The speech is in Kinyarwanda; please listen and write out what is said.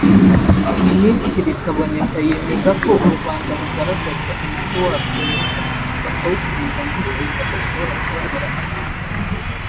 Minisitiri Kaboneka yemeza ko u Rwanda rugaragaza umuco warwo mwiza bakawukunda nk’ikintu badashobora kubonera ahandi